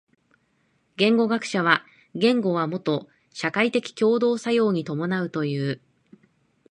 言語学者は言語はもと社会的共同作用に伴うという。